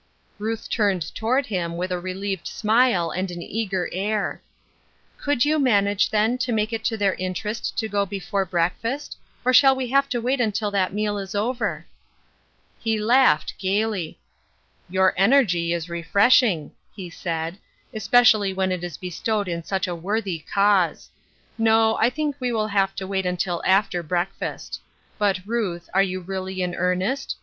Ruth turned toward him with a relieved smile and an eager air. "Could you manage, then, to make it to their interest to go before breakfast, or shall we have to wait until that meal is over ?" He laughed, gayly. "Your energy is refresh iDg," he said, " especially when it is bestowed in such a worthy cause. No, I think we will have to wait until after breakfast. But, Ruth, are you really in earnest?